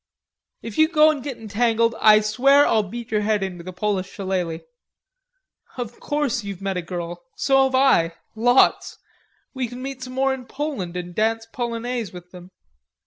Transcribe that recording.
"If you go and get entangled, I swear I'll beat your head in with a Polish shillaughly.... Of course you've met a girl so have I lots. We can meet some more in Poland and dance polonaises with them."